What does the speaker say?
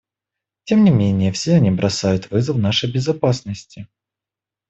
Тем не менее, все они бросают вызов нашей безопасности.